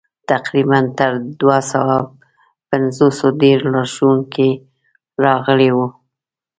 تقریباً تر دوه سوه پنځوسو ډېر لارښوونکي راغلي ول.